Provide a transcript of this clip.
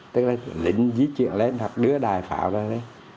tức là lĩnh di chuyển lên hoặc đưa đài phảo ra đây